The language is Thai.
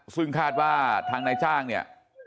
ซึ่งคาดว่าทางนายจ้างเนี่ย